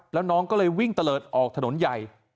แล้วน้องก็เลยวิ่งตะเลิศออกถนนใหญ่